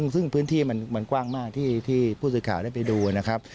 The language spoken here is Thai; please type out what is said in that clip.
ซึ่งพื้นที่มันกว้างมากที่ผู้สื่อข่าวได้ไปดูนะครับ